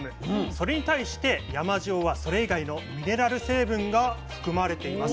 それに対して山塩はそれ以外のミネラル成分が含まれています。